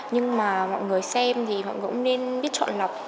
nhưng mà mọi người xem thì mọi người cũng nên biết chọn lọc